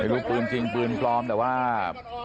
ลูกปืนจริงปืนปลอมแต่ว่า